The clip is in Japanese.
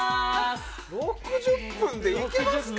６０分でいけますか？